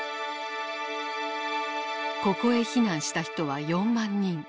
ここへ避難した人は４万人。